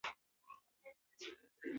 لیک کې د شوروي ځواکونو د ځنډیدو علت بیان شوی.